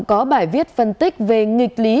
có bài viết phân tích về nghịch lý